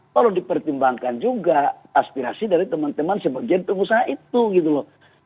perlu dipertimbangkan juga aspirasi dari teman teman sebagian pengusaha itu gitu loh